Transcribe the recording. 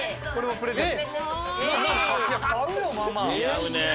プレゼント。